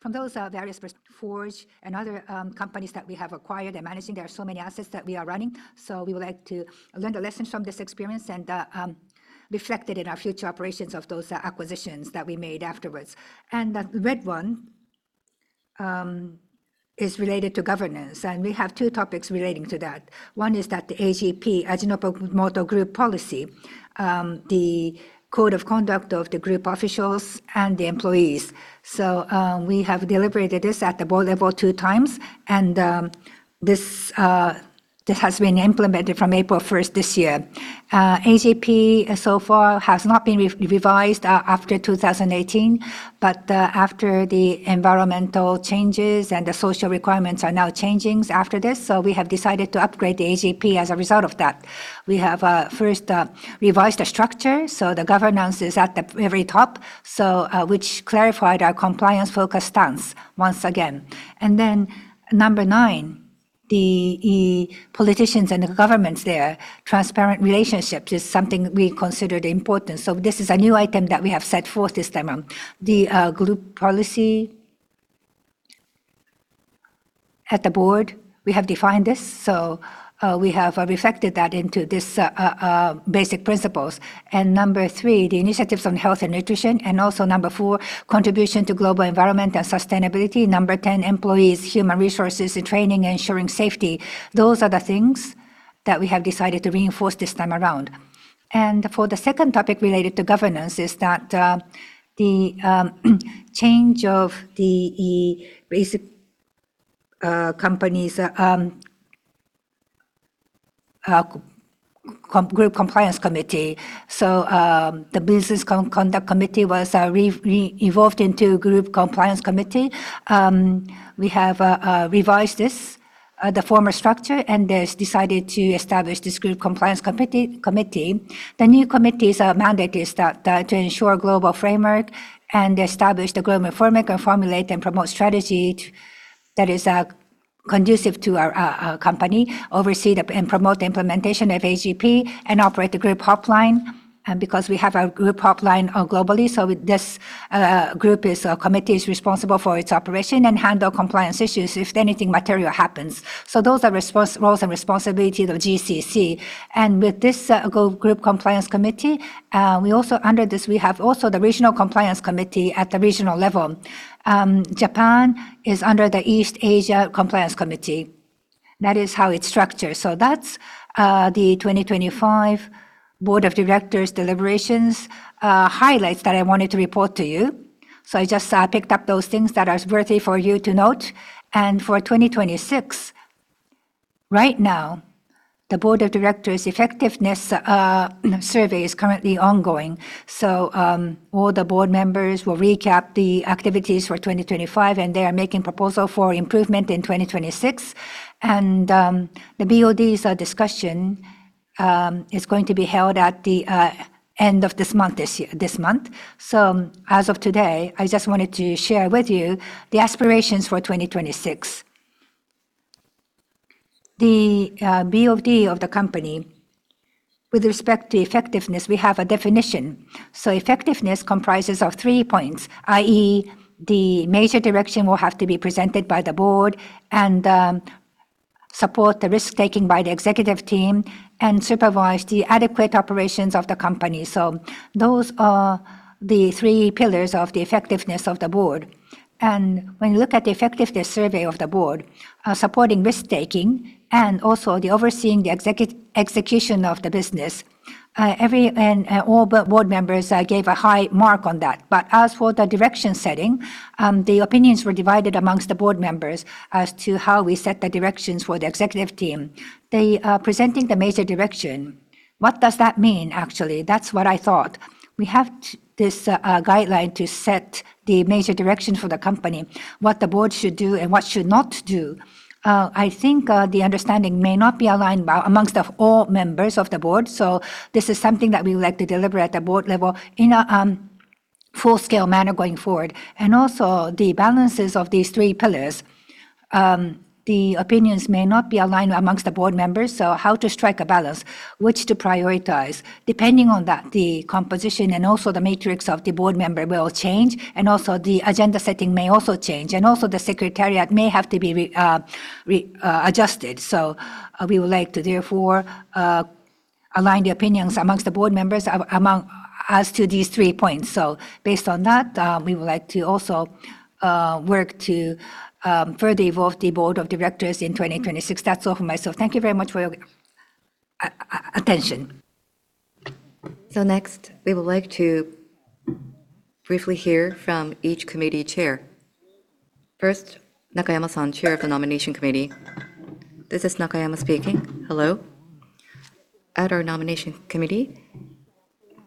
From those various Forge and other companies that we have acquired and managing, there are so many assets that we are running. We would like to learn the lessons from this experience and reflect it in our future operations of those acquisitions that we made afterwards. The red one is related to governance, and we have two topics relating to that. One is that the AGP, Ajinomoto Group Policy, the code of conduct of the group officials and the employees. We have deliberated this at the board level two times, and this has been implemented from April 1st this year. AGP so far has not been revised after 2018, but after the environmental changes and the social requirements are now changing after this, so we have decided to upgrade the AGP as a result of that. We have first revised the structure, so the governance is at the very top, which clarified our compliance-focused stance once again. Number nine, the politicians and the governments' transparent relationship is something we consider important. This is a new item that we have set forth this time around. The Group Policies at the board, we have defined this, so we have reflected that into this basic principles. Number three, the initiatives on health and nutrition, and also number four, contribution to global environment and sustainability, number 10, employees, human resources, and training, ensuring safety. Those are the things that we have decided to reinforce this time around. For the second topic related to governance is that the change of the Group Compliance Committee. The Business Conduct Committee evolved into Group Compliance Committee. We have revised this, the former structure, and decided to establish this Group Compliance Committee. The new committee's mandate is to ensure global framework and establish the global framework, and formulate and promote strategy that is conducive to our company, oversee and promote the implementation of AGP, and operate the group hotline. Because we have a group hotline globally, so this committee is responsible for its operation and handle compliance issues if anything material happens. Those are roles and responsibilities of GCC. With this Group Compliance Committee, under this, we have also the regional compliance committee at the regional level. Japan is under the East Asia compliance committee. That is how it's structured. That's the 2025 Board of Directors deliberations highlights that I wanted to report to you. I just picked up those things that are worthy for you to note. For 2026, right now, the board of directors effectiveness survey is currently ongoing. All the board members will recap the activities for 2025, and they are making proposal for improvement in 2026. The BOD's discussion is going to be held at the end of this month. As of today, I just wanted to share with you the aspirations for 2026. The BOD of the company, with respect to effectiveness, we have a definition. Effectiveness comprises of three points, i.e., the major direction will have to be presented by the board and support the risk-taking by the executive team and supervise the adequate operations of the company. Those are the three pillars of the effectiveness of the board. When you look at the effectiveness survey of the board, supporting risk-taking and also the overseeing the execution of the business, all board members gave a high mark on that. As for the direction setting, the opinions were divided amongst the board members as to how we set the directions for the executive team. They are presenting the major direction. What does that mean, actually? That's what I thought. We have this guideline to set the major direction for the company, what the board should do and what should not do. I think the understanding may not be aligned amongst all members of the board. This is something that we would like to deliberate at the board level in a full-scale manner going forward. Also the balances of these three pillars, the opinions may not be aligned amongst the board members. How to strike a balance, which to prioritize. Depending on that, the composition and also the matrix of the board member will change, and also the agenda setting may also change. The secretariat may have to be adjusted. We would like to therefore align the opinions amongst the board members as to these three points. Based on that, we would like to also work to further evolve the board of directors in 2026. That's all from myself. Thank you very much for your attention. Next, we would like to briefly hear from each committee chair. First, Nakayama-san, Chair of Nomination Committee. This is Nakayama speaking. Hello. At our Nomination Committee,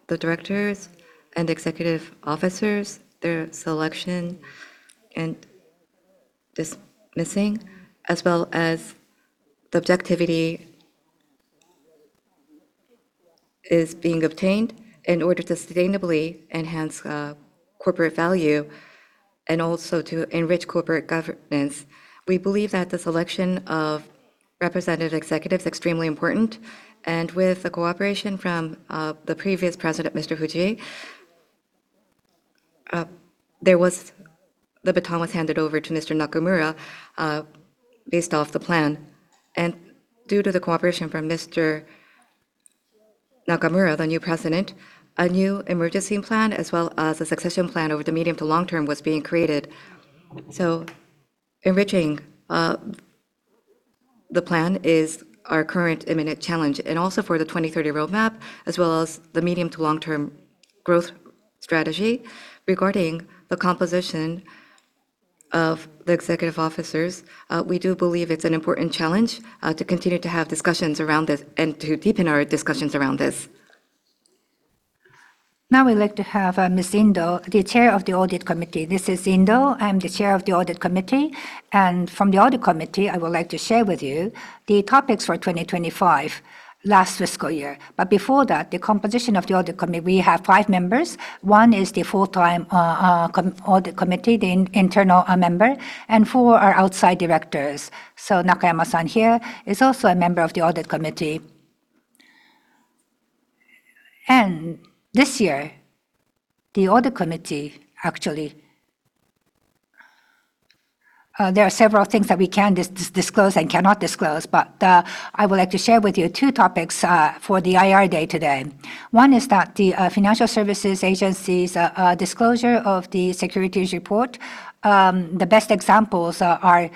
the directors and executive officers, their selection and dismissing, as well as the objectivity is being obtained in order to sustainably enhance corporate value and also to enrich corporate governance. We believe that the selection of representative executives extremely important. With the cooperation from the previous President, Mr. Fujii, the baton was handed over to Mr. Nakamura based off the plan. Due to the cooperation from Mr. Nakamura, the new President, a new management plan, as well as a succession plan over the medium to long term, was being created. Enriching the plan is our current imminent challenge. Also for the 2030 roadmap, as well as the medium to long-term growth strategy. Regarding the composition of the executive officers, we do believe it's an important challenge to continue to have discussions around this and to deepen our discussions around this. Now I'd like to have Ms. Indo, the Chair of the Audit Committee. This is Indo. I'm the Chair of the Audit Committee, and from the Audit Committee, I would like to share with you the topics for 2025, last fiscal year. Before that, the composition of the Audit Committee, we have five members. One is the full-time audit committee, the internal member, and four are outside directors. Nakayama-san here is also a member of the Audit Committee. This year, the Audit Committee, actually, there are several things that we can disclose and cannot disclose, but I would like to share with you two topics for the IR day today. One is that the Financial Services Agency's disclosure of the securities report, the best examples are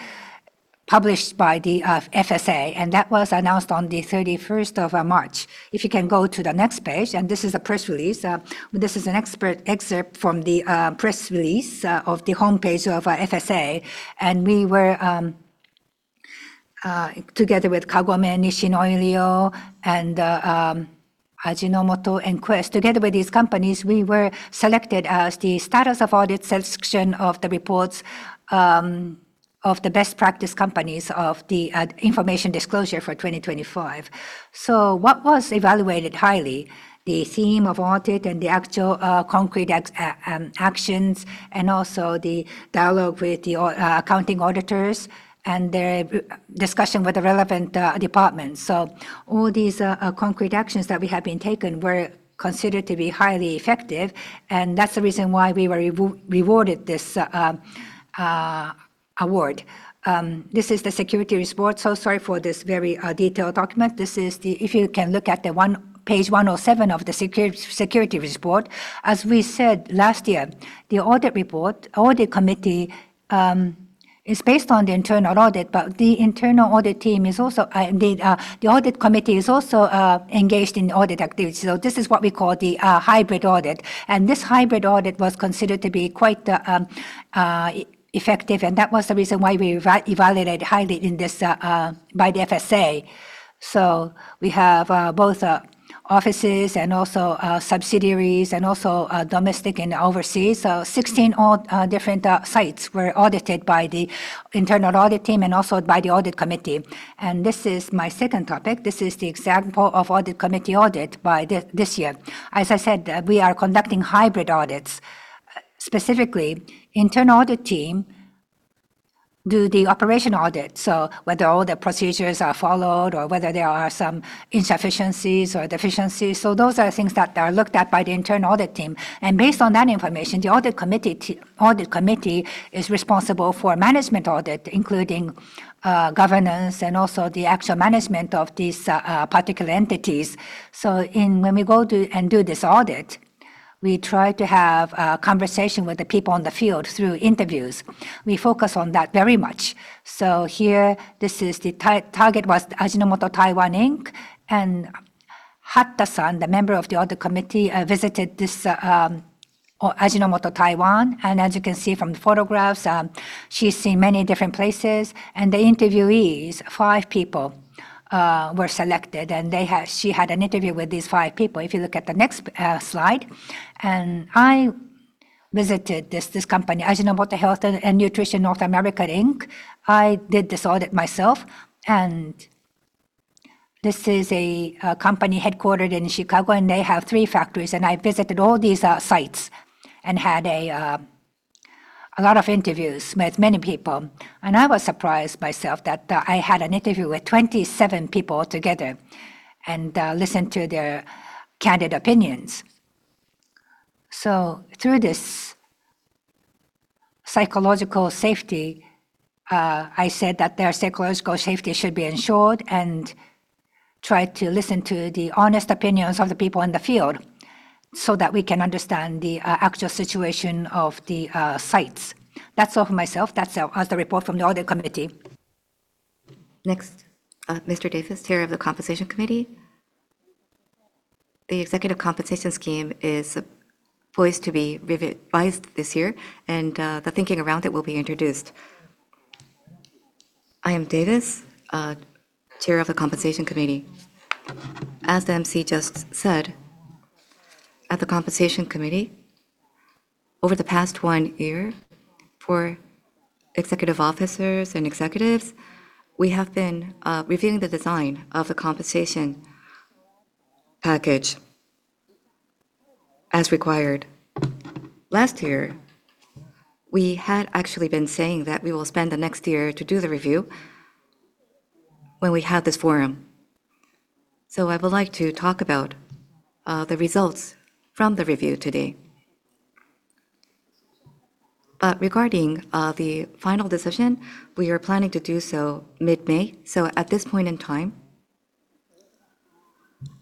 published by the FSA, and that was announced on the 31st of March. If you can go to the next page, and this is a press release. This is an excerpt from the press release of the homepage of FSA, and we were, together with Kagome, Nisshin OilliO, and Ajinomoto, and Quest. Together with these companies, we were selected as the status of audit section of the reports of the best practice companies of the information disclosure for 2025. What was evaluated highly, the theme of audit and the actual concrete actions, and also the dialogue with the accounting auditors and the discussion with the relevant departments. All these concrete actions that we have been taken were considered to be highly effective, and that's the reason why we were rewarded this award. This is the securities report, so sorry for this very detailed document. If you can look at page 107 of the securities report, as we said last year, the audit report. Audit committee is based on the internal audit, but the audit committee is also engaged in audit activity. This is what we call the hybrid audit, and this hybrid audit was considered to be quite effective, and that was the reason why we were evaluated highly by the FSA. We have both offices and also subsidiaries and also domestic and overseas. 16 different sites were audited by the internal audit team and also by the audit committee. This is my second topic. This is the example of audit committee audit by this year. As I said, we are conducting hybrid audits, specifically internal audit team do the operational audit. Whether all the procedures are followed or whether there are some insufficiencies or deficiencies. Those are things that are looked at by the internal audit team, and based on that information, the Audit Committee is responsible for management audit, including governance and also the actual management of these particular entities. When we go and do this audit, we try to have a conversation with the people on the field through interviews. We focus on that very much. Here, the target was Ajinomoto Taiwan, Inc, and Hatta-san, the member of the Audit Committee, visited this Ajinomoto Taiwan. As you can see from the photographs, she's seen many different places, and the interviewees, five people were selected, and she had an interview with these five people. If you look at the next slide, I visited this company, Ajinomoto Health & Nutrition North America, Inc. I did this audit myself, and this is a company headquartered in Chicago, and they have three factories, and I visited all these sites and had a lot of interviews with many people. I was surprised myself that I had an interview with 27 people together and listened to their candid opinions. Through this psychological safety, I said that their psychological safety should be ensured and try to listen to the honest opinions of the people in the field so that we can understand the actual situation of the sites. That's all from myself. That's the report from the audit committee. Next, Mr. Davis, Chair of the Compensation Committee. The executive compensation scheme is poised to be revised this year, and the thinking around it will be introduced. I am Davis, Chair of the Compensation Committee. As the MC just said, at the Compensation Committee over the past one year for executive officers and executives, we have been reviewing the design of the compensation package. As required. Last year, we had actually been saying that we will spend the next year to do the review when we had this forum. I would like to talk about the results from the review today. Regarding the final decision, we are planning to do so mid-May. At this point in time,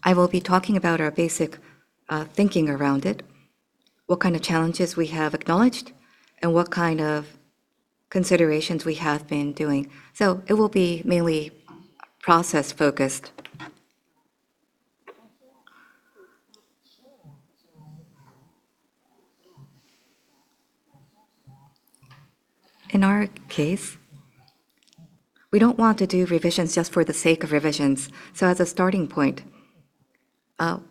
I will be talking about our basic thinking around it, what kind of challenges we have acknowledged, and what kind of considerations we have been doing. It will be mainly process-focused. In our case, we don't want to do revisions just for the sake of revisions. As a starting point,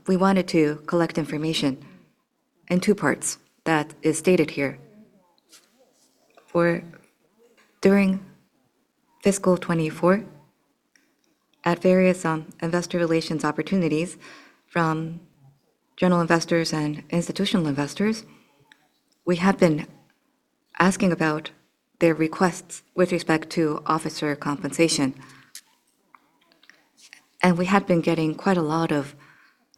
we wanted to collect information in two parts, that is stated here. During fiscal 2024, at various investor relations opportunities from general investors and institutional investors, we have been asking about their requests with respect to officer compensation. We had been getting quite a lot of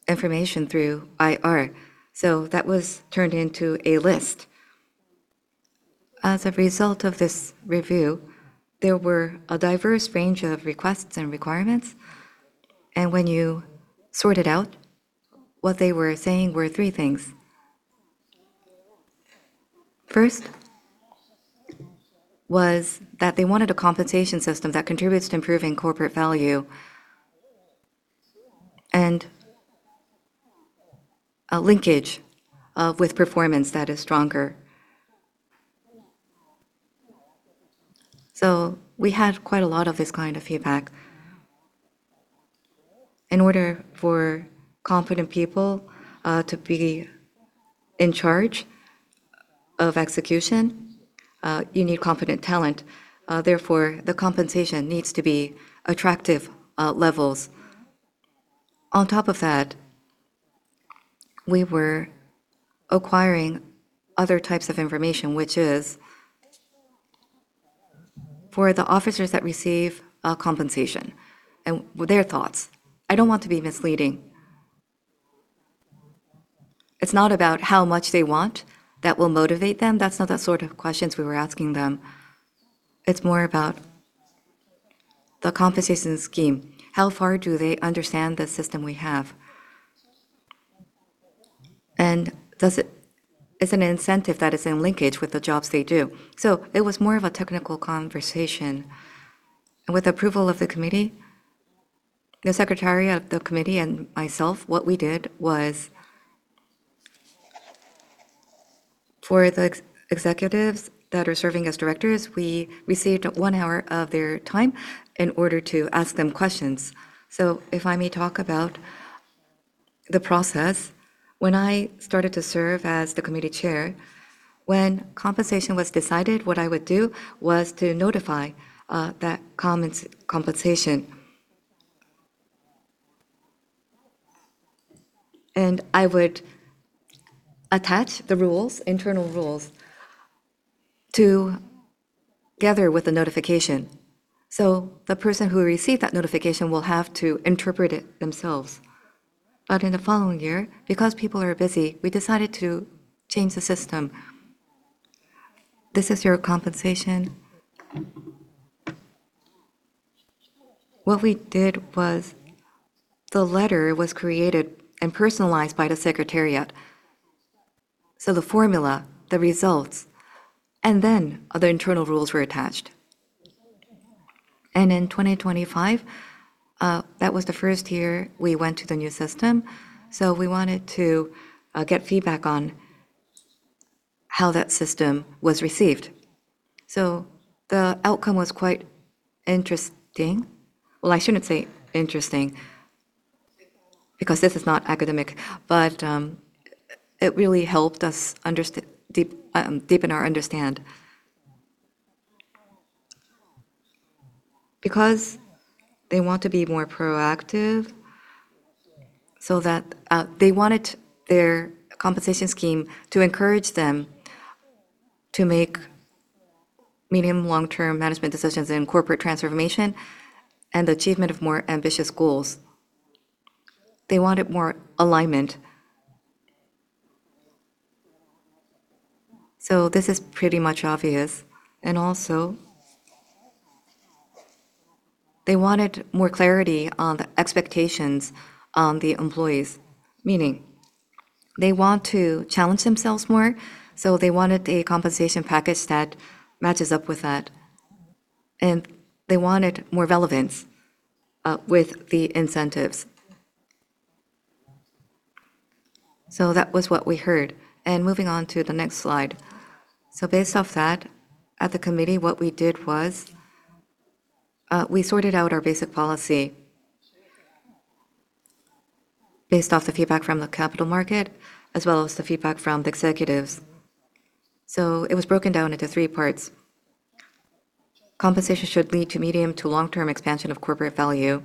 information through IR, so that was turned into a list. As a result of this review, there were a diverse range of requests and requirements, and when you sort it out, what they were saying were three things. First was that they wanted a compensation system that contributes to improving corporate value and a linkage with performance that is stronger. We had quite a lot of this kind of feedback. In order for competent people to be in charge of execution, you need competent talent. Therefore, the compensation needs to be attractive levels. On top of that, we were acquiring other types of information, which is for the officers that receive compensation and their thoughts. I don't want to be misleading. It's not about how much they want that will motivate them. That's not the sort of questions we were asking them. It's more about the compensation scheme. How far do they understand the system we have? Is it an incentive that is in linkage with the jobs they do? It was more of a technical conversation. With approval of the committee, the secretary of the committee and myself, what we did was, for the executives that are serving as directors, we received one hour of their time in order to ask them questions. If I may talk about the process. When I started to serve as the committee chair, when compensation was decided, what I would do was to notify that compensation. I would attach the internal rules together with the notification. The person who received that notification will have to interpret it themselves. In the following year, because people are busy, we decided to change the system. "This is your compensation." What we did was, the letter was created and personalized by the secretariat. The formula, the results, and then the internal rules were attached. In 2025, that was the first year we went to the new system, so we wanted to get feedback on how that system was received. The outcome was quite interesting. Well, I shouldn't say interesting because this is not academic, but it really helped us deepen our understanding. Because they want to be more proactive, so they wanted their compensation scheme to encourage them to make medium, long-term management decisions in corporate transformation and the achievement of more ambitious goals. They wanted more alignment. This is pretty much obvious. Also, they wanted more clarity on the expectations on the employees, meaning they want to challenge themselves more, so they wanted a compensation package that matches up with that, and they wanted more relevance with the incentives. That was what we heard. Moving on to the next slide. Based off that, at the committee, what we did was we sorted out our basic policy based off the feedback from the capital market as well as the feedback from the executives. It was broken down into three parts. Compensation should lead to medium to long-term expansion of corporate value.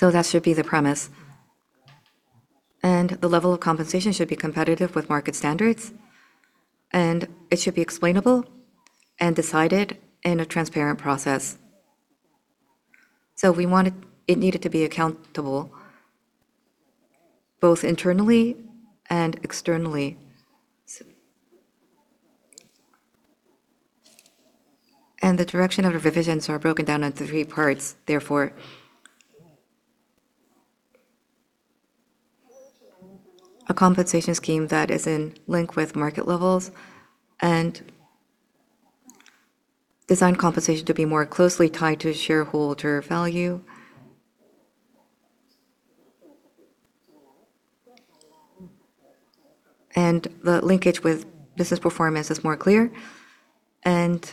That should be the premise. The level of compensation should be competitive with market standards, and it should be explainable and decided in a transparent process. It needed to be accountable both internally and externally. The direction of the revisions are broken down into three parts, therefore. A compensation scheme that is in line with market levels, and design compensation to be more closely tied to shareholder value. The linkage with business performance is more clear, and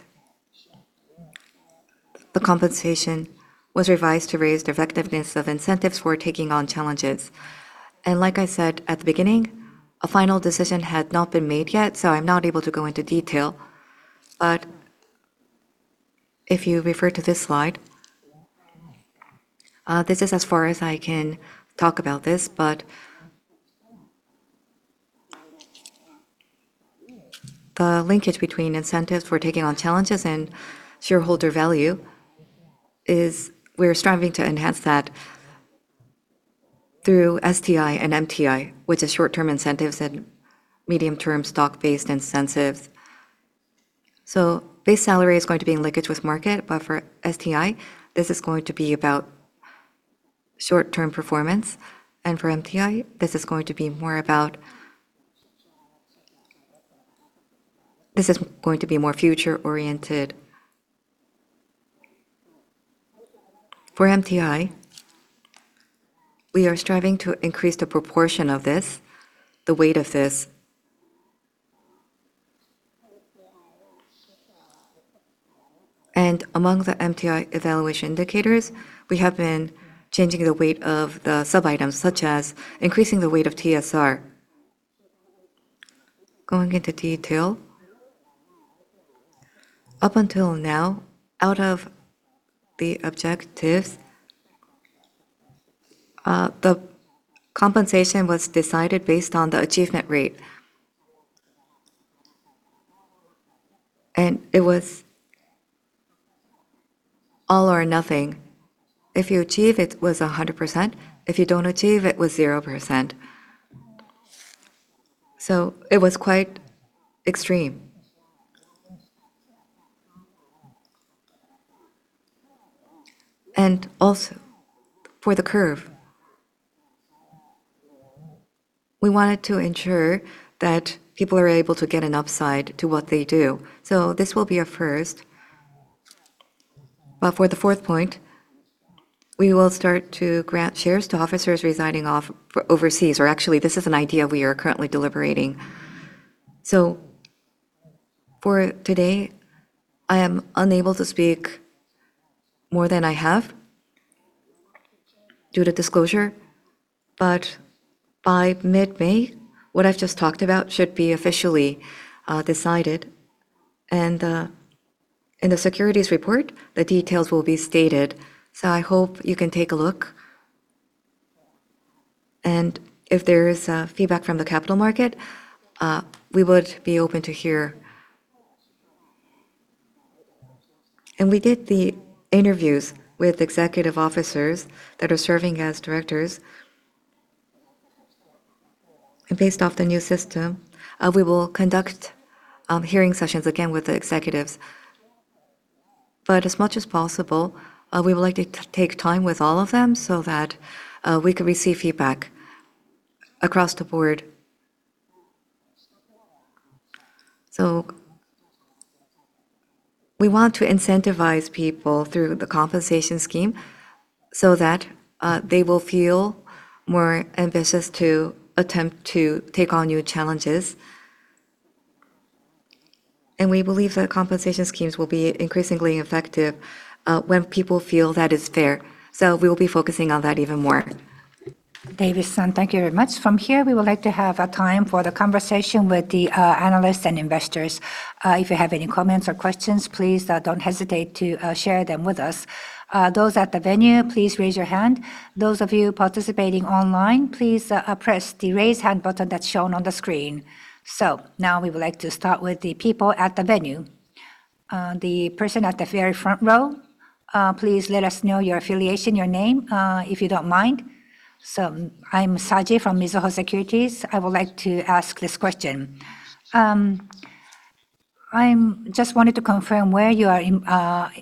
the compensation was revised to raise the effectiveness of incentives for taking on challenges. Like I said at the beginning, a final decision had not been made yet, so I'm not able to go into detail. If you refer to this slide, this is as far as I can talk about this, but the linkage between incentives for taking on challenges and shareholder value is we're striving to enhance that through STI and MTI, which is Short-Term Incentives and Medium-Term Stock-Based Incentives. Base salary is going to be in linkage with market. For STI, this is going to be about short-term performance. For MTI, this is going to be more future-oriented. For MTI, we are striving to increase the proportion of this, the weight of this. Among the MTI evaluation indicators, we have been changing the weight of the sub-items, such as increasing the weight of TSR. Going into detail. Up until now, out of the objectives, the compensation was decided based on the achievement rate. It was all or nothing. If you achieve, it was 100%. If you don't achieve, it was 0%. It was quite extreme. Also for the curve, we wanted to ensure that people are able to get an upside to what they do. This will be a first. For the fourth point, we will start to grant shares to officers residing overseas, or actually, this is an idea we are currently deliberating. For today, I am unable to speak more than I have due to disclosure. By mid-May, what I've just talked about should be officially decided, and in the securities report, the details will be stated. I hope you can take a look, and if there is feedback from the capital market, we would be open to hear. We did the interviews with executive officers that are serving as directors. Based off the new system, we will conduct hearing sessions again with the executives, as much as possible, we would like to take time with all of them so that we can receive feedback across the board. We want to incentivize people through the compensation scheme so that they will feel more ambitious to attempt to take on new challenges. We believe that compensation schemes will be increasingly effective when people feel that it's fair. We will be focusing on that even more. Davis-san, thank you very much. From here, we would like to have a time for the conversation with the analysts and investors. If you have any comments or questions, please don't hesitate to share them with us. Those at the venue, please raise your hand. Those of you participating online, please press the Raise Hand button that's shown on the screen. Now we would like to start with the people at the venue. The person at the very front row, please let us know your affiliation, your name, if you don't mind. I'm Saji from Mizuho Securities. I would like to ask this question. I just wanted to confirm what you are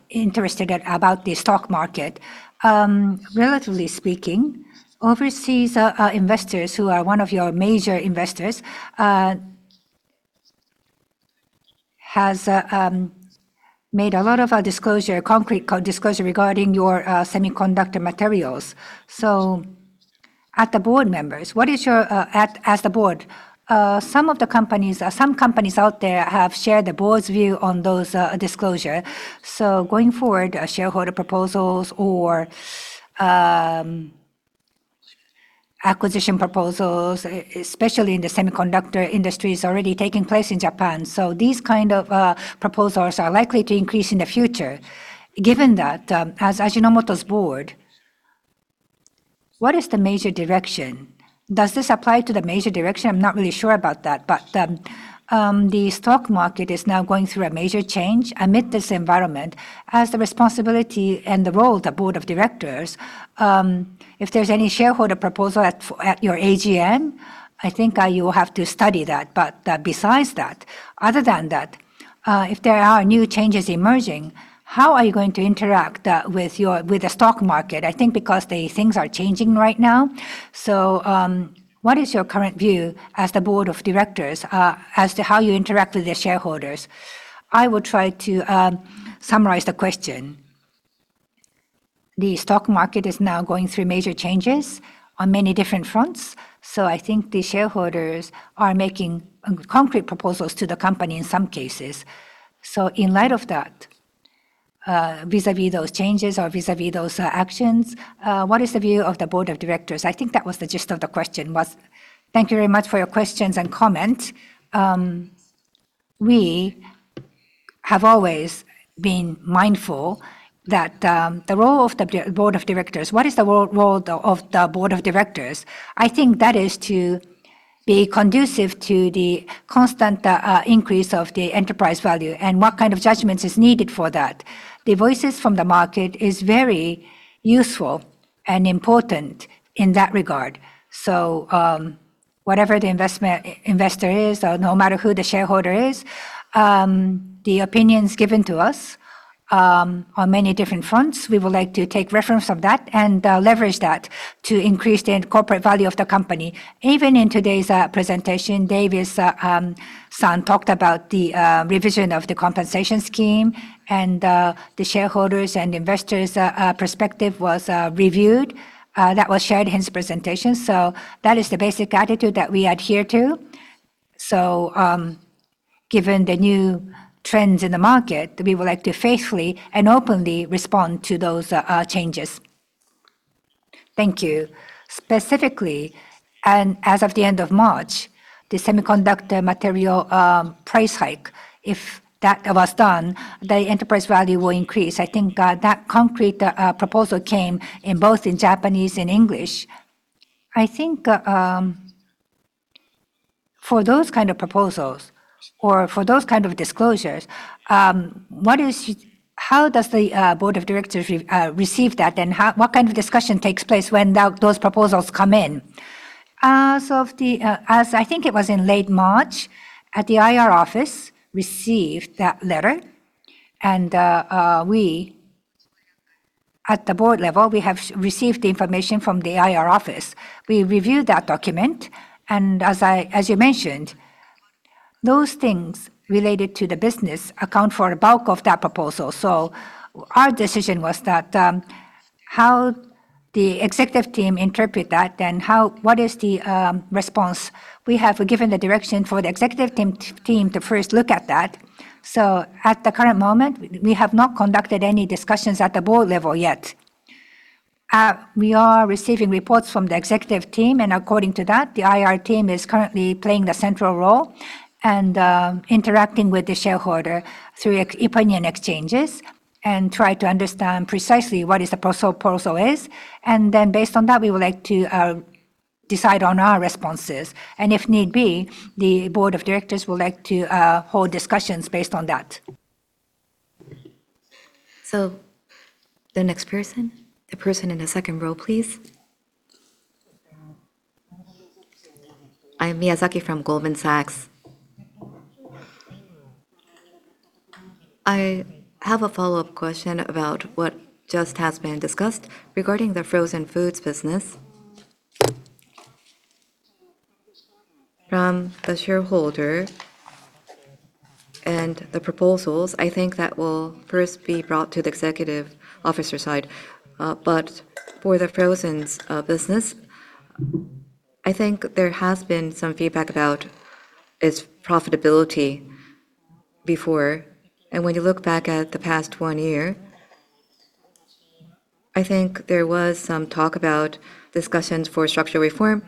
interested in about the stock market. Relatively speaking, overseas investors, who are one of your major investors, have sought a lot of concrete disclosure regarding your semiconductor materials. Board members at some companies out there have shared the board's view on those disclosures. Going forward, shareholder proposals or acquisition proposals, especially in the semiconductor industry, is already taking place in Japan. These kind of proposals are likely to increase in the future. Given that, as Ajinomoto's board, what is the major direction? Does this apply to the major direction? I'm not really sure about that, but the stock market is now going through a major change. Amid this environment, as the responsibility and the role of the board of directors, if there's any shareholder proposal at your AGM, I think you have to study that. Besides that, other than that, if there are new changes emerging, how are you going to interact with the stock market? I think because the things are changing right now. What is your current view as the board of directors as to how you interact with the shareholders? I will try to summarize the question. The stock market is now going through major changes on many different fronts. I think the shareholders are making concrete proposals to the company in some cases. In light of that, vis-à-vis those changes or vis-à-vis those actions, what is the view of the board of directors? I think that was the gist of the question. Thank you very much for your questions and comment. We have always been mindful that the role of the board of directors. What is the role of the board of directors? I think that is to be conducive to the constant increase of the enterprise value and what kind of judgments is needed for that. The voices from the market is very useful and important in that regard. Whatever the investor is or no matter who the shareholder is, the opinions given to us on many different fronts, we would like to take reference of that and leverage that to increase the corporate value of the company. Even in today's presentation, Davis-san talked about the revision of the compensation scheme, and the shareholders' and investors' perspective was reviewed. That was shared in his presentation. That is the basic attitude that we adhere to. Given the new trends in the market, we would like to faithfully and openly respond to those changes. Thank you. Specifically, and as of the end of March, the semiconductor material price hike, if that was done, the enterprise value will increase. I think that concrete proposal came in both in Japanese and English. I think for those kind of proposals or for those kind of disclosures, how does the Board of Directors receive that, and what kind of discussion takes place when those proposals come in? I think it was in late March, the IR office received that letter, and at the Board level, we have received the information from the IR office. We reviewed that document, and as you mentioned, those things related to the business conduct account for the bulk of that proposal. Our decision was that, how the Executive Team interpret that and what is the response? We have given the direction for the Executive Team to first look at that. At the current moment, we have not conducted any discussions at the Board level yet. We are receiving reports from the executive team, and according to that, the IR team is currently playing the central role and interacting with the shareholder through opinion exchanges and try to understand precisely what this proposal is. Based on that, we would like to decide on our responses. If need be, the board of directors would like to hold discussions based on that. The next person. The person in the second row, please. I am Miyazaki from Goldman Sachs. I have a follow-up question about what just has been discussed regarding the frozen foods business. From the shareholder and the proposals, I think that will first be brought to the executive officer side. For the frozen foods business, I think there has been some feedback about its profitability before. When you look back at the past one year, I think there was some talk about discussions for structural reform.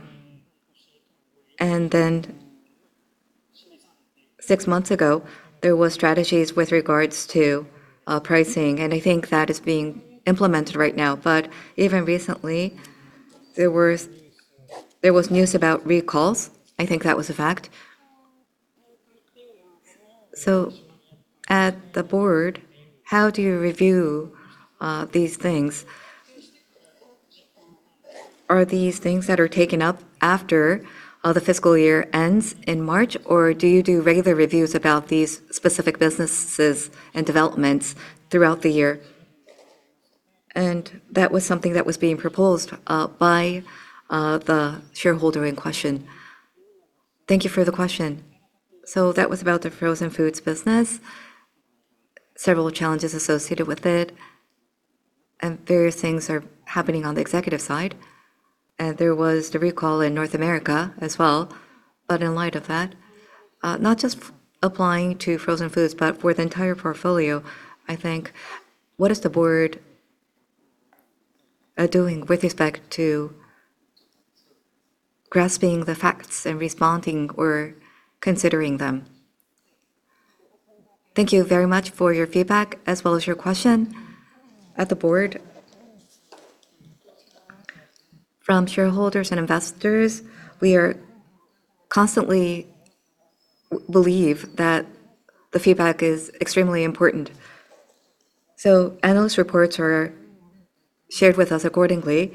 Six months ago, there was strategies with regards to pricing, and I think that is being implemented right now. Even recently, there was news about recalls. I think that was a fact. At the board, how do you review these things? Are these things that are taken up after the fiscal year ends in March, or do you do regular reviews about these specific businesses and developments throughout the year? That was something that was being proposed by the shareholder in question. Thank you for the question. That was about the frozen foods business, several challenges associated with it, and various things are happening on the executive side. There was the recall in North America as well. In light of that. Not just applying to frozen foods, but for the entire portfolio, I think, what is the Board doing with respect to grasping the facts and responding or considering them? Thank you very much for your feedback as well as your question. At the Board, from shareholders and investors, we constantly believe that the feedback is extremely important. Analyst reports are shared with us accordingly,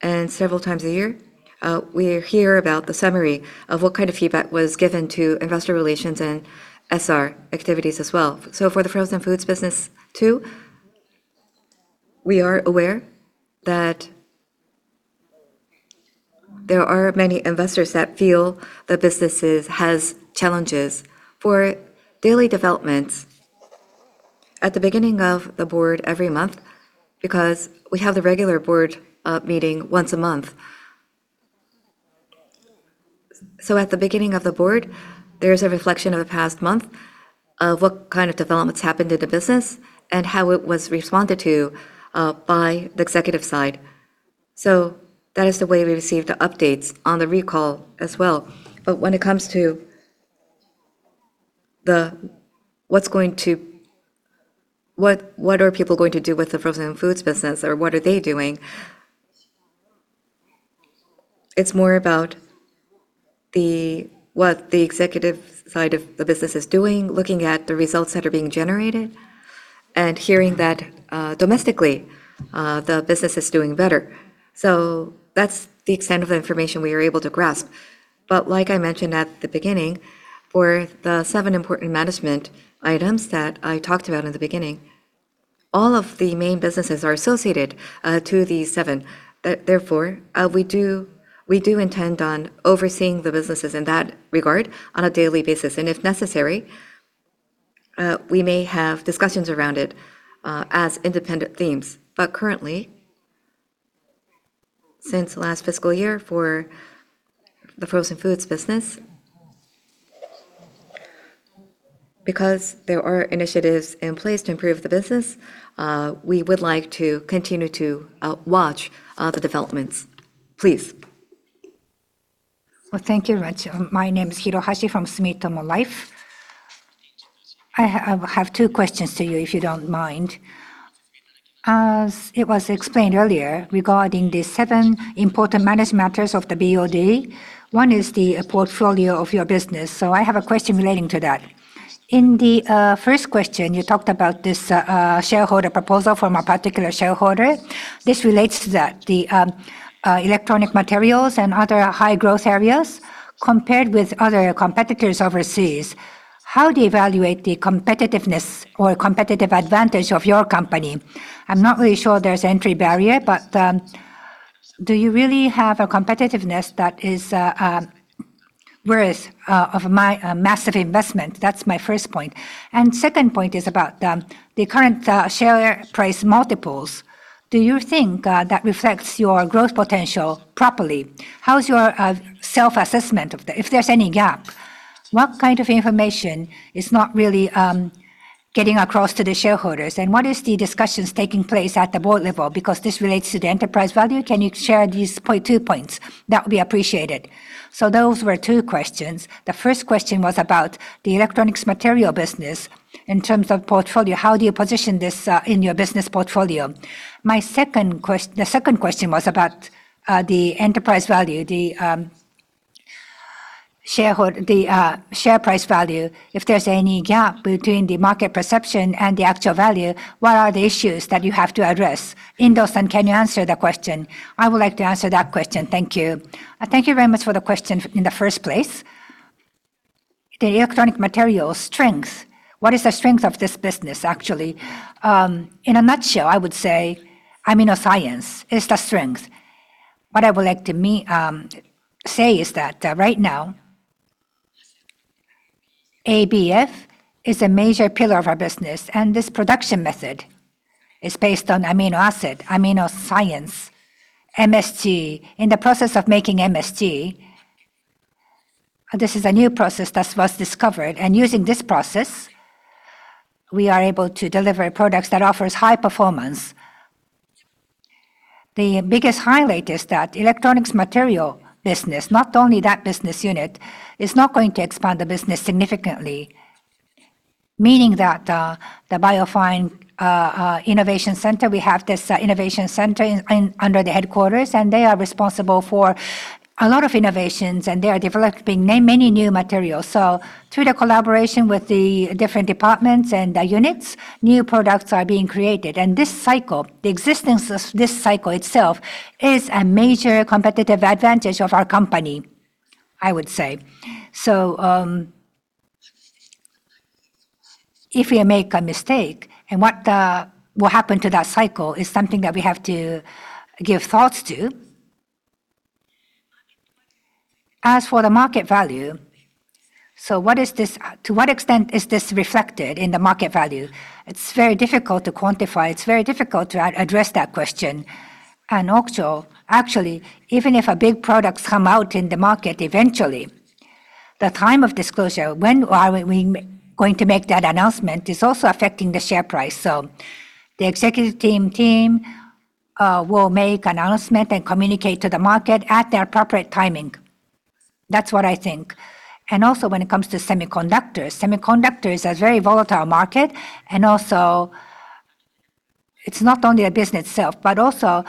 and several times a year, we hear about the summary of what kind of feedback was given to investor relations and SR activities as well. For the frozen foods business, too, we are aware that there are many investors that feel the business has challenges. For daily developments, at the beginning of the Board every month, because we have the regular Board meeting once a month. At the beginning of the board, there is a reflection of the past month of what kind of developments happened in the business and how it was responded to by the executive side. That is the way we receive the updates on the recall as well. When it comes to what are people going to do with the frozen foods business or what are they doing, it's more about what the executive side of the business is doing, looking at the results that are being generated, and hearing that domestically, the business is doing better. That's the extent of the information we are able to grasp. Like I mentioned at the beginning, for the seven important management items that I talked about in the beginning, all of the main businesses are associated to these seven. Therefore, we do intend on overseeing the businesses in that regard on a daily basis, and if necessary, we may have discussions around it as independent themes. Currently, since last fiscal year, for the frozen foods business, because there are initiatives in place to improve the business, we would like to continue to watch the developments. Please. Well, thank you very much. My name is Hirohashi from Sumitomo Life. I have two questions to you, if you don't mind. As it was explained earlier, regarding the seven important managed matters of the BOD, one is the portfolio of your business. I have a question relating to that. In the first question, you talked about this shareholder proposal from a particular shareholder. This relates to that. The electronic materials and other high growth areas, compared with other competitors overseas, how do you evaluate the competitiveness or competitive advantage of your company? I'm not really sure there's entry barrier, but do you really have a competitiveness that is worth of a massive investment? That's my first point. Second point is about the current share price multiples. Do you think that reflects your growth potential properly? How's your self-assessment of that? If there's any gap, what kind of information is not really getting across to the shareholders, and what is the discussions taking place at the board level? Because this relates to the enterprise value. Can you share these two points? That would be appreciated. Those were two questions. The first question was about the electronic materials business in terms of portfolio. How do you position this in your business portfolio? The second question was about the enterprise value, the share price value. If there's any gap between the market perception and the actual value, what are the issues that you have to address? Mami Indo, can you answer the question? I would like to answer that question. Thank you. Thank you very much for the question in the first place. The electronic material strength. What is the strength of this business, actually? In a nutshell, I would say amino science is the strength. What I would like to say is that right now, ABF is a major pillar of our business, and this production method is based on amino acid, amino science, MSG. In the process of making MSG, this is a new process that was discovered, and using this process, we are able to deliver products that offers high performance. The biggest highlight is that electronic materials business, not only that business unit, is now going to expand the business significantly, meaning that the Bio-Fine Innovation Center, we have this innovation center under the headquarters, and they are responsible for a lot of innovations, and they are developing many new materials. Through the collaboration with the different departments and the units, new products are being created. This cycle, the existence of this cycle itself, is a major competitive advantage of our company, I would say. If we make a mistake, and what will happen to that cycle is something that we have to give thoughts to. As for the market value, to what extent is this reflected in the market value? It's very difficult to quantify. It's very difficult to address that question. Also, actually, even if big products come out in the market, eventually, the time of disclosure, when are we going to make that announcement, is also affecting the share price. The executive team will make an announcement and communicate to the market at the appropriate timing. That's what I think. Also, when it comes to semiconductors, semiconductor is a very volatile market, and also it's not only the business itself, but also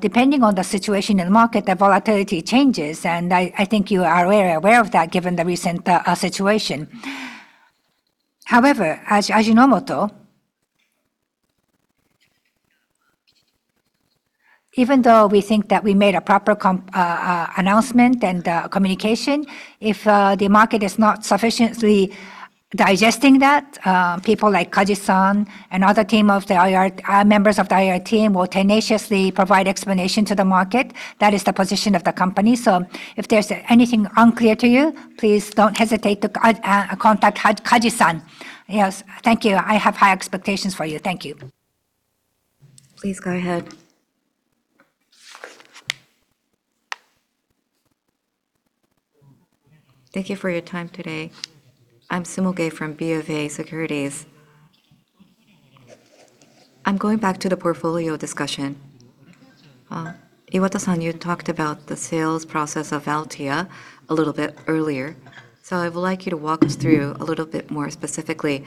depending on the situation in the market, the volatility changes, and I think you are very aware of that given the recent situation. However, at Ajinomoto, even though we think that we made a proper announcement and communication, if the market is not sufficiently digesting that, people like Kaji-san and other members of the IR team will tenaciously provide explanation to the market. That is the position of the company. If there's anything unclear to you, please don't hesitate to contact Kaji-san. Yes. Thank you. I have high expectations for you. Thank you. Please go ahead. Thank you for your time today. I'm Manabu Sumoge from BofA Securities. I'm going back to the portfolio discussion. Kimie Iwata, you talked about the sales process of Althea a little bit earlier. I would like you to walk us through a little bit more specifically.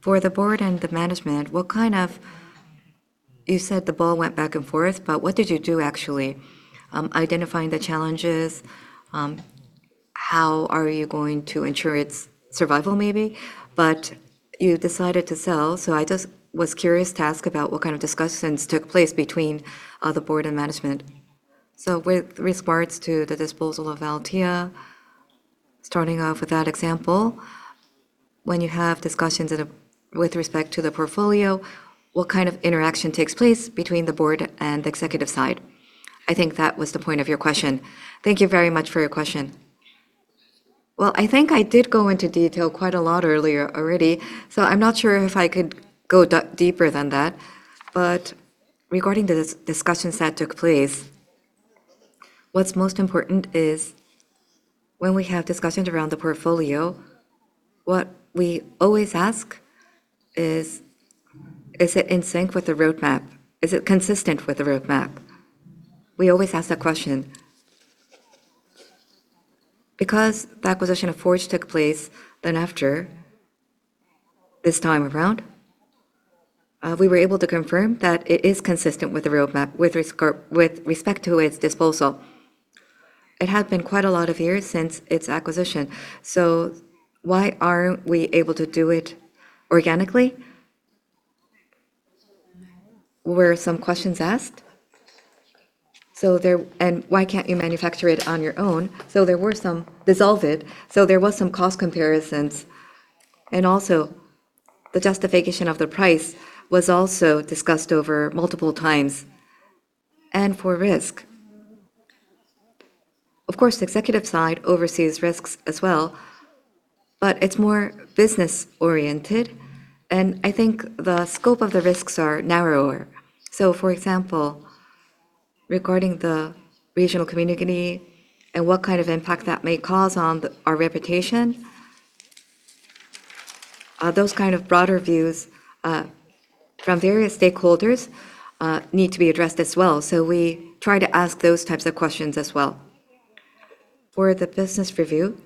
For the board and the management, you said the ball went back and forth, but what did you do actually, identifying the challenges, how are you going to ensure its survival maybe? You decided to sell, so I just was curious to ask about what kind of discussions took place between the board and management. With regards to the disposal of Althea, starting off with that example, when you have discussions with respect to the portfolio, what kind of interaction takes place between the board and the executive side? I think that was the point of your question. Thank you very much for your question. Well, I think I did go into detail quite a lot earlier already, so I'm not sure if I could go deeper than that. Regarding the discussions that took place, what's most important is when we have discussions around the portfolio, what we always ask is it in sync with the roadmap? Is it consistent with the roadmap? We always ask that question. Because the acquisition of Forge took place then after this time around, we were able to confirm that it is consistent with the roadmap with respect to its disposal. It had been quite a lot of years since its acquisition, so why aren't we able to do it organically? Were some questions asked? Why can't you manufacture it on your own? There were some decisions, so there was some cost comparisons, and also the justification of the price was also discussed over multiple times and for risk. Of course, the executive side oversees risks as well, but it's more business oriented, and I think the scope of the risks are narrower. For example, regarding the regional community and what kind of impact that may cause on our reputation, those kind of broader views from various stakeholders need to be addressed as well. We try to ask those types of questions as well. For the business review,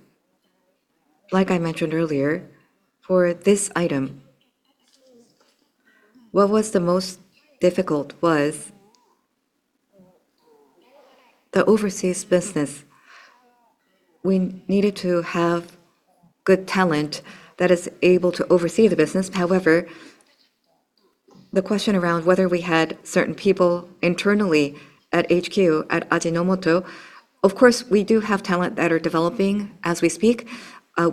like I mentioned earlier, for this item, what was the most difficult was the overseas business. We needed to have good talent that is able to oversee the business. However, the question around whether we had certain people internally at HQ at Ajinomoto, of course, we do have talent that are developing as we speak.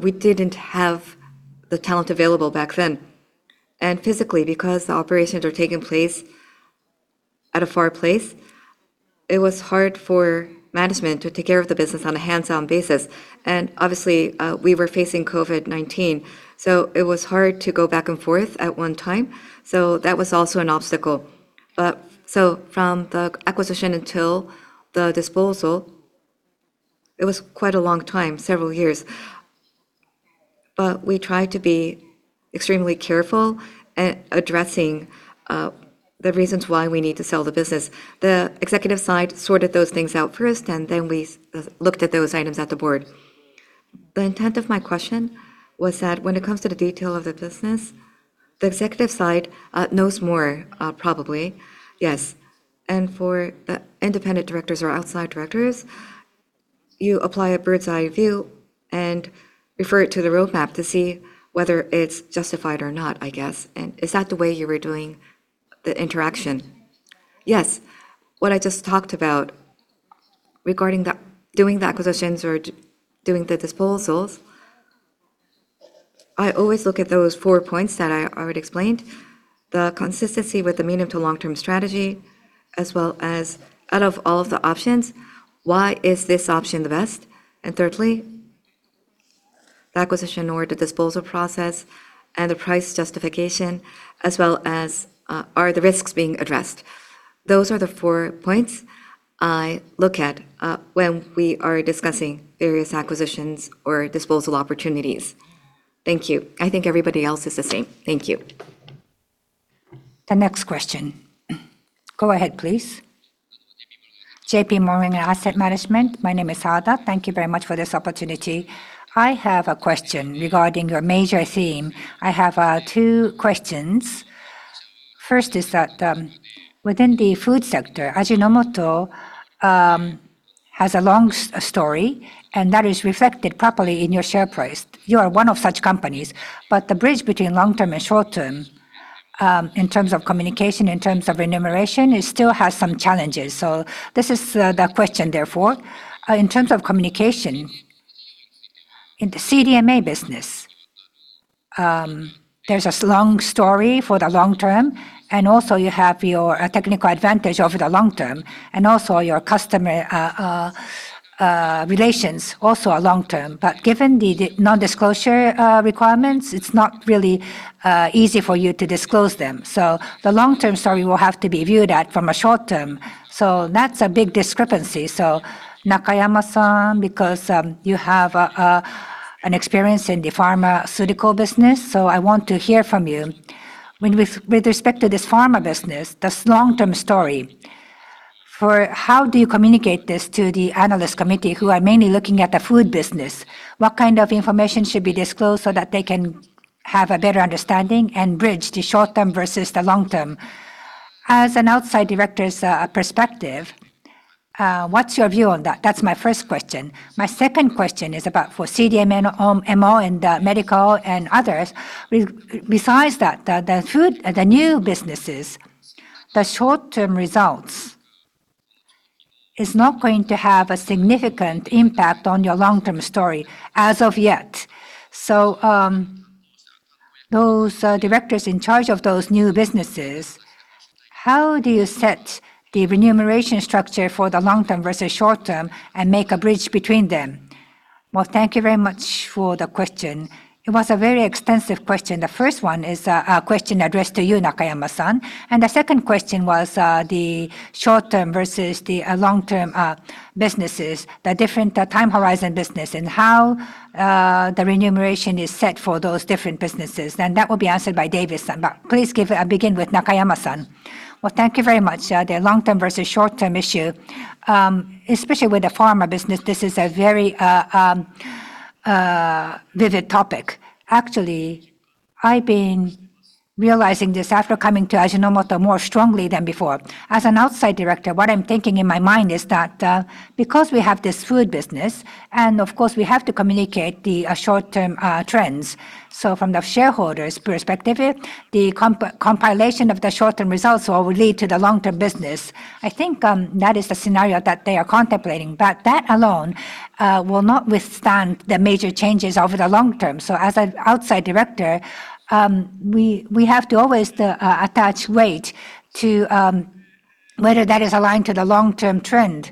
We didn't have the talent available back then. Physically, because the operations are taking place at a far place, it was hard for management to take care of the business on a hands-on basis. Obviously, we were facing COVID-19, so it was hard to go back and forth at one time. That was also an obstacle. From the acquisition until the disposal, it was quite a long time, several years. We tried to be extremely careful at addressing the reasons why we need to sell the business. The executive side sorted those things out first, and then we looked at those items at the board. The intent of my question was that when it comes to the detail of the business, the executive side knows more, probably. Yes. For independent directors or outside directors, you apply a bird's eye view and refer it to the roadmap to see whether it's justified or not, I guess. Is that the way you were doing the interaction? Yes. What I just talked about regarding doing the acquisitions or doing the disposals, I always look at those four points that I already explained. The consistency with the medium to long-term strategy, as well as out of all of the options, why is this option the best? Thirdly, the acquisition or the disposal process and the price justification, as well as are the risks being addressed. Those are the four points I look at when we are discussing various acquisitions or disposal opportunities. Thank you. I think everybody else is the same. Thank you. The next question. Go ahead, please. JPMorgan Asset Management. My name is Sada. Thank you very much for this opportunity. I have a question regarding your major theme. I have two questions. First is that within the food sector, Ajinomoto has a long story, and that is reflected properly in your share price. You are one of such companies. But the bridge between long-term and short-term, in terms of communication, in terms of remuneration, it still has some challenges. This is the question therefore. In terms of communication, in the CDMO business, there's a long story for the long term, and also you have your technical advantage over the long term, and also your customer relations also are long term. Given the non-disclosure requirements, it's not really easy for you to disclose them. The long-term story will have to be viewed from a short term. That's a big discrepancy. Nakayama-san, because you have an experience in the pharmaceutical business, so I want to hear from you. With respect to this pharma business, this long-term story, how do you communicate this to the analyst community who are mainly looking at the food business? What kind of information should be disclosed so that they can have a better understanding and bridge the short term versus the long term? As an outside director's perspective, what's your view on that? That's my first question. My second question is about for CDMO in the medical and others. Besides that, the new businesses, the short-term results is not going to have a significant impact on your long-term story as of yet. So, those directors in charge of those new businesses, how do you set the remuneration structure for the long term versus short term and make a bridge between them? Well, thank you very much for the question. It was a very extensive question. The first one is a question addressed to you, Nakayama-san. The second question was the short term versus the long-term businesses, the different time horizon business, and how the remuneration is set for those different businesses. That will be answered by Davis-san. Please begin with Nakayama-san. Well, thank you very much. The long term versus short term issue, especially with the pharma business, this is a very vivid topic. Actually, I've been realizing this after coming to Ajinomoto more strongly than before. As an outside director, what I'm thinking in my mind is that because we have this food business, and of course, we have to communicate the short-term trends. From the shareholders' perspective, the compilation of the short-term results will lead to the long-term business. I think that is the scenario that they are contemplating. That alone will not withstand the major changes over the long term. As an outside director, we have to always attach weight to whether that is aligned to the long-term trend.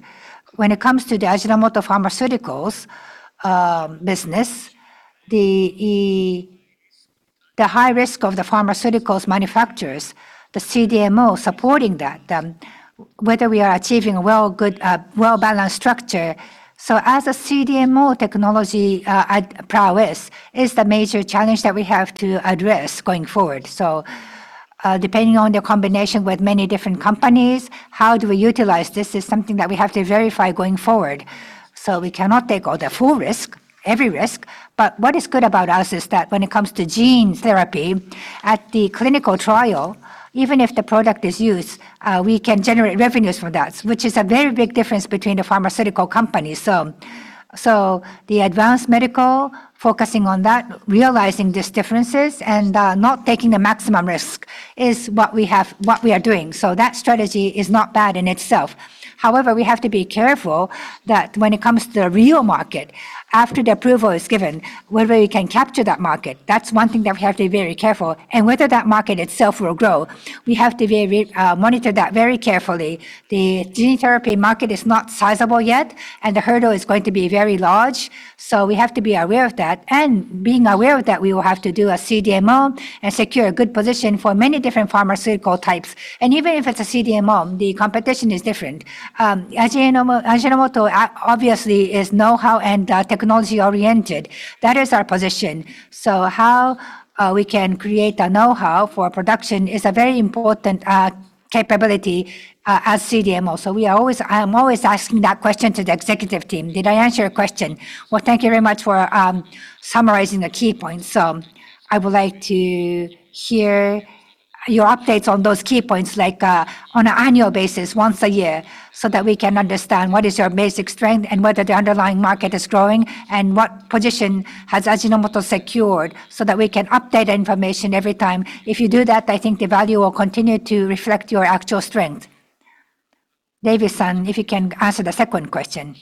When it comes to the Ajinomoto pharmaceuticals business, the high risk of the pharmaceuticals manufacturers, the CDMO supporting that, whether we are achieving a well-balanced structure. As a CDMO technology prowess is the major challenge that we have to address going forward. Depending on the combination with many different companies, how do we utilize this is something that we have to verify going forward. We cannot take all the full risk, every risk, but what is good about us is that when it comes to gene therapy, at the clinical trial, even if the product is used, we can generate revenues from that, which is a very big difference between the pharmaceutical companies. The advanced medical, focusing on that, realizing these differences, and not taking the maximum risk is what we are doing. That strategy is not bad in itself. However, we have to be careful that when it comes to the real market, after the approval is given, whether we can capture that market. That's one thing that we have to be very careful. Whether that market itself will grow, we have to monitor that very carefully. The gene therapy market is not sizable yet, and the hurdle is going to be very large. We have to be aware of that. Being aware of that, we will have to do a CDMO and secure a good position for many different pharmaceutical types. Even if it's a CDMO, the competition is different. Ajinomoto obviously is know-how and technology oriented. That is our position. How we can create a know-how for production is a very important capability as CDMO. I am always asking that question to the executive team. Did I answer your question? Well, thank you very much for summarizing the key points. I would like to hear your updates on those key points like on an annual basis, once a year, so that we can understand what is your basic strength and whether the underlying market is growing and what position has Ajinomoto secured so that we can update the information every time. If you do that, I think the value will continue to reflect your actual strength. Davis-san, if you can answer the second question.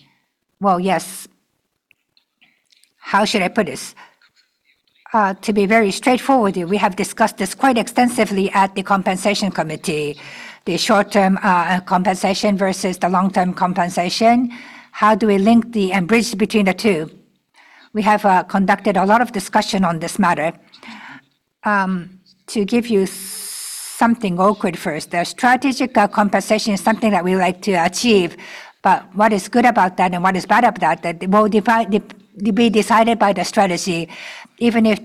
Well, yes. How should I put this? To be very straightforward with you, we have discussed this quite extensively at the compensation committee. The short-term compensation versus the long-term compensation. How do we link and bridge between the two? We have conducted a lot of discussion on this matter. To give you something awkward first, the strategic compensation is something that we would like to achieve, but what is good about that and what is bad about that will be decided by the strategy. Even if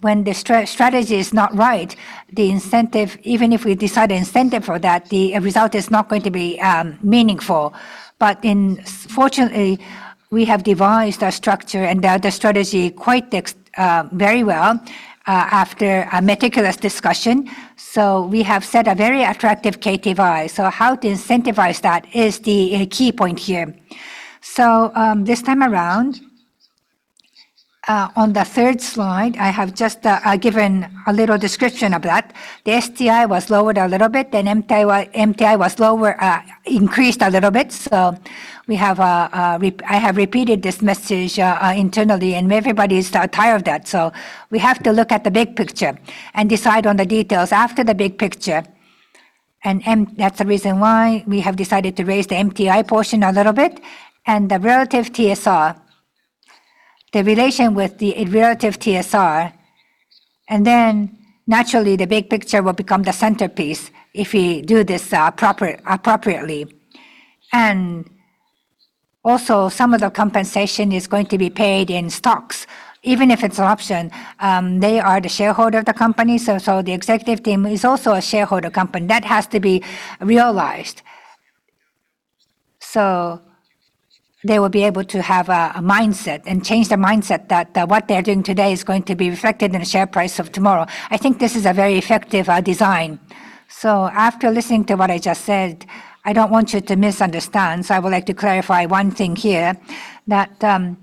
when the strategy is not right, even if we decide the incentive for that, the result is not going to be meaningful. But fortunately, we have devised a structure and the strategy very well after a meticulous discussion. We have set a very attractive KPI. How to incentivize that is the key point here. This time around, on the third slide, I have just given a little description of that. The STI was lowered a little bit, then MTI increased a little bit. I have repeated this message internally, and everybody is tired of that. We have to look at the big picture and decide on the details after the big picture, and that's the reason why we have decided to raise the MTI portion a little bit and the relative TSR. The relation with the relative TSR, and then naturally the big picture will become the centerpiece if we do this appropriately. Also, some of the compensation is going to be paid in stocks. Even if it's an option, they are the shareholder of the company. The executive team is also a shareholder company. That has to be realized. They will be able to have a mindset and change the mindset that what they're doing today is going to be reflected in the share price of tomorrow. I think this is a very effective design. After listening to what I just said, I don't want you to misunderstand, so I would like to clarify one thing here, that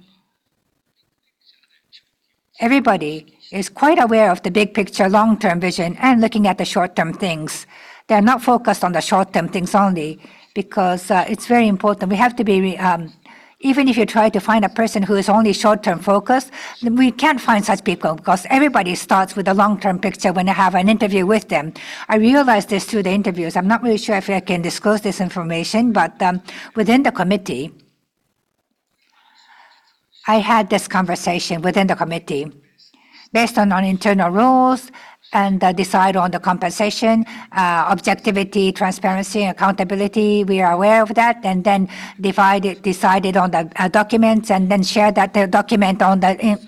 everybody is quite aware of the big picture, long-term vision, and looking at the short-term things. They're not focused on the short-term things only because it's very important. Even if you try to find a person who is only short-term focused, we can't find such people because everybody starts with the long-term picture when I have an interview with them. I realized this through the interviews. I'm not really sure if I can disclose this information, but within the committee, I had this conversation within the committee based on our internal rules and decide on the compensation, objectivity, transparency, and accountability. We are aware of that. Then decided on the documents, and then shared that document on the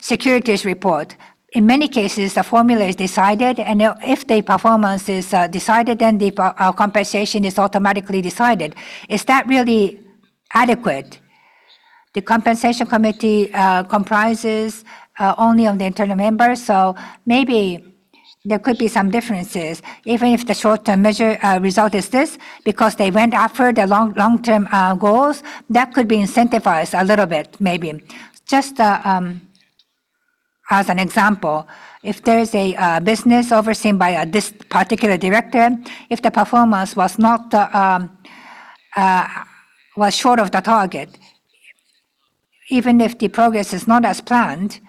securities report. In many cases, the formula is decided, and if the performance is decided, then the compensation is automatically decided. Is that really adequate? The compensation committee comprises only of the internal members, so maybe there could be some differences. Even if the short-term result is this, because they went after the long-term goals, that could be incentivized a little bit, maybe. Just as an example, if there is a business overseen by this particular director, if the performance was short of the target, even if the progress is not as planned,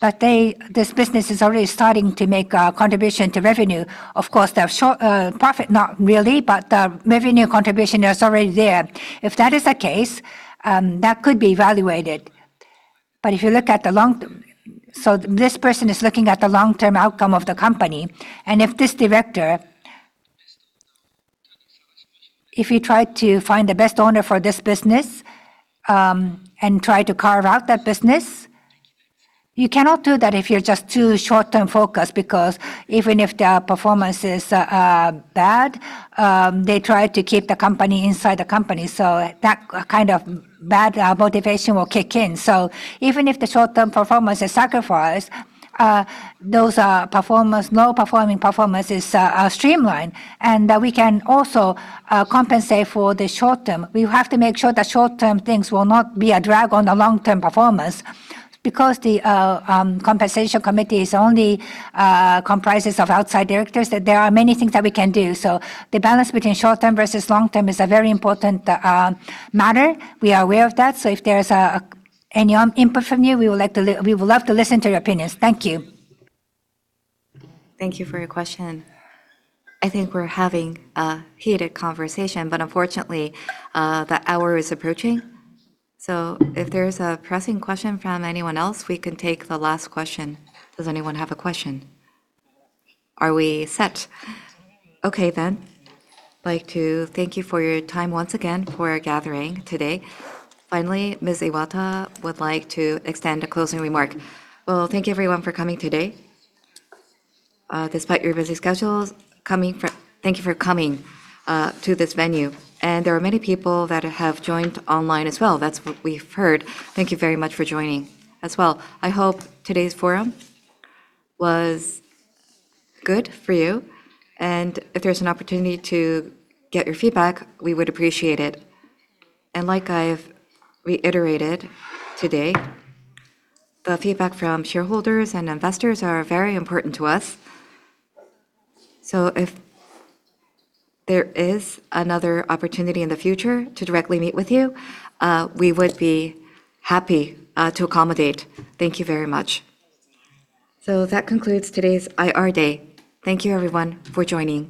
but this business is already starting to make a contribution to revenue. Of course, the profit not really, but the revenue contribution is already there. If that is the case, that could be evaluated. This person is looking at the long-term outcome of the company, and if this director, if he tried to find the best owner for this business, and tried to carve out that business, you cannot do that if you're just too short-term focused, because even if the performance is bad, they try to keep the company inside the company. That kind of bad motivation will kick in. Even if the short-term performance is sacrificed, those low performing performances are streamlined, and we can also compensate for the short term. We have to make sure the short-term things will not be a drag on the long-term performance. Because the compensation committee is only comprises of outside directors, there are many things that we can do. The balance between short term versus long term is a very important matter. We are aware of that. If there is any input from you, we would love to listen to your opinions. Thank you. Thank you for your question. I think we're having a heated conversation, but unfortunately, the hour is approaching. If there is a pressing question from anyone else, we can take the last question. Does anyone have a question? Are we set? Okay, then. I'd like to thank you for your time once again for gathering today. Finally, Ms. Iwata would like to extend a closing remark. Well, thank you everyone for coming today. Despite your busy schedules, thank you for coming to this venue. There are many people that have joined online as well. That's what we've heard. Thank you very much for joining as well. I hope today's forum was good for you, and if there's an opportunity to get your feedback, we would appreciate it. Like I've reiterated today, the feedback from shareholders and investors are very important to us. If there is another opportunity in the future to directly meet with you, we would be happy to accommodate. Thank you very much. That concludes today's IR day. Thank you everyone for joining.